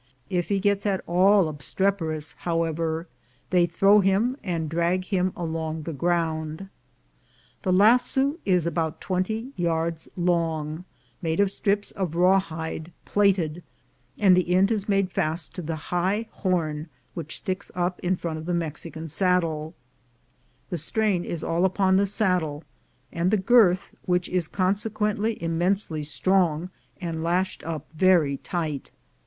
If he gets at all obstreperous, however, they throw him, and drag him along the ground. The lasso is about twenty yards long, made of strips of rawhide plaited, and the end is made fast to the high horn which sticks up in front of the Mexican saddle; the strain is all upon the saddle, and the girth, which is consequently immensely strong, and lashed up very tight.